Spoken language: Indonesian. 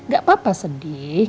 gak apa apa sedih